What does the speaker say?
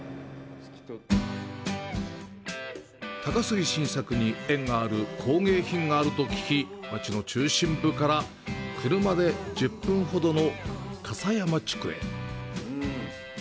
高杉晋作に縁がある工芸品があると聞き、町の中心部から車で１０分ほどの笠山地区へ。